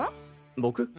僕？